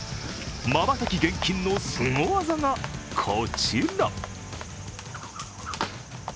まばたき厳禁のすご技がこちら。